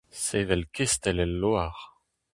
Sevel kestell el loar.